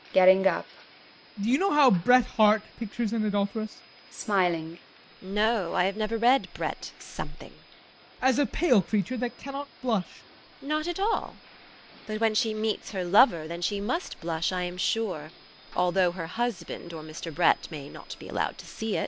[Getting up] Do you know how Bret Harte pictures an adulteress? TEKLA. [Smiling] No, I have never read Bret Something. ADOLPH. As a pale creature that cannot blush. TEKLA. Not at all? But when she meets her lover, then she must blush, I am sure, although her husband or Mr. Bret may not be allowed to see it.